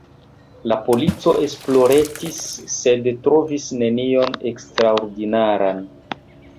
La polico esploretis, sed trovis nenion eksterordinaran.